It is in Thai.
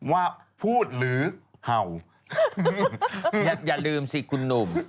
อย่าลืมสิคุณหนุ่ม